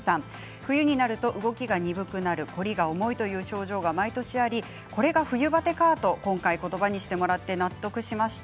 冬になると動きが鈍くなる凝りが重いという症状が毎年ありこれが冬バテかと今回言葉にしてもらって納得しました。